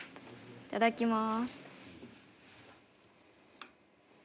いただきます。